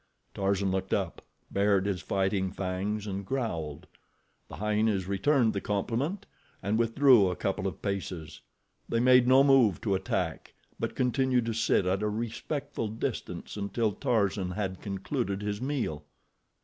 Tarzan looked up, bared his fighting fangs and growled. The hyenas returned the compliment, and withdrew a couple of paces. They made no move to attack; but continued to sit at a respectful distance until Tarzan had concluded his meal.